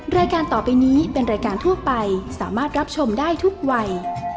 รายการต่อไปนี้เป็นรายการทั่วไปสามารถรับชมได้ทุกวัย